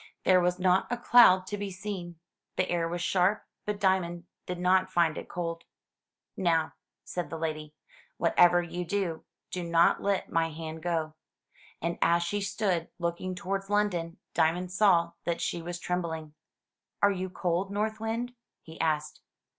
There was not a cloud to be seen. The air was sharp, but Diamond did not find it cold. "Now," said the lady, "whatever you do, do not let my hand go." And as she stood looking towards London, Diamond saw that she was trembling. "Are you cold. North Wind?" he asked.